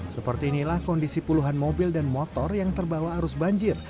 seperti inilah kondisi puluhan mobil dan motor yang terbawa arus banjir